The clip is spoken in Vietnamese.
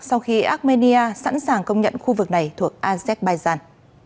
sau khi armenia sẵn sàng công nhận khu vực này thuộc azerbaijan